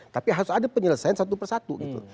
tapi harus ada penyelesaian satu persatu gitu